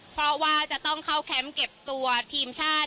เพราะว่าจะต้องเข้าแคมป์เก็บตัวทีมชาติ